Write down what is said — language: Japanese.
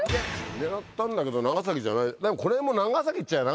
狙ったんだけど長崎じゃない。